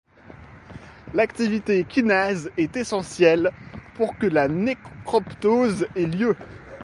L'activité kinase est essentielle pour que la nécroptose ait lieu.